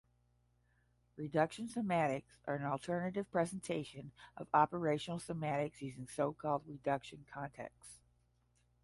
Reduction semantics are an alternative presentation of operational semantics using so-called reduction contexts.